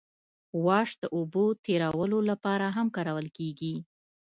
واش د اوبو تیرولو لپاره هم کارول کیږي